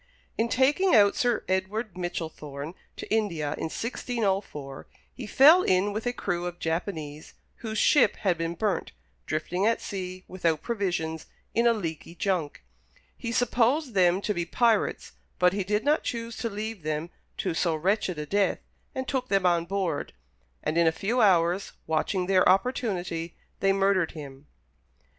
In taking out Sir Edward Michellthorne to India, in 1604, he fell in with a crew of Japanese, whose ship had been burnt, drifting at sea, without provisions, in a leaky junk. He supposed them to be pirates, but he did not choose to leave them to so wretched a death, and took them on board; and in a few hours, watching their opportunity, they murdered him.